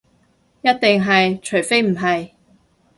一定係，除非唔係